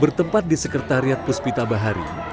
bertempat di sekretariat puspita bahari